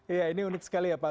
iya ini unik sekali ya pak